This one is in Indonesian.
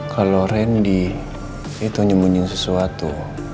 kalau randy itu nyemunyi sesuatu